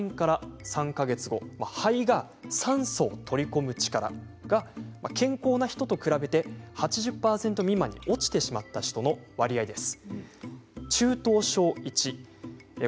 肺が酸素を取り込む力が健康な人と比べて８０％未満に落ちてしまった人の割合です。